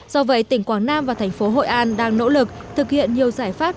do vậy tỉnh quảng nam và thành phố hội an đang nỗ lực thực hiện nhiều giải pháp